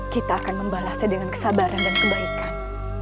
kita akan membalasnya dengan kesabaran dan kebaikan